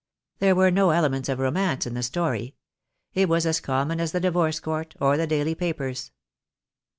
There were no elements of romance in the story. It was as common as the Divorce Court or the daily papers.